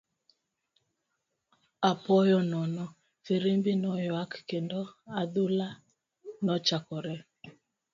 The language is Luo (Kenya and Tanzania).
Apoya nono , firimbi noywak, kendo adhula nochakore.